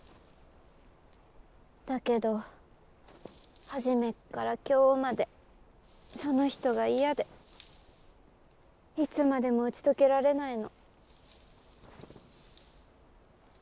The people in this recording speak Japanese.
だけど初めっから今日までその人が嫌でいつまでも打ち解けられないの。